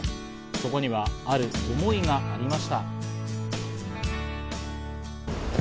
そこにはある思いがありました。